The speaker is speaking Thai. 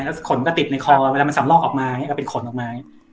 แล้วขนมันก็ติดในคอเวลามันสำรอกออกมาก็เป็นขนออกมา